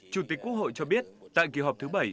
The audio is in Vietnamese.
chủ tịch quốc hội cho biết tại kỳ họp thứ bảy